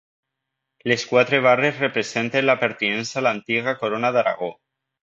Les quatre barres representen la pertinença a l'antiga Corona d'Aragó.